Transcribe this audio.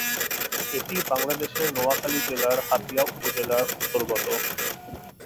এটি বাংলাদেশের নোয়াখালী জেলার হাতিয়া উপজেলার অন্তর্গত।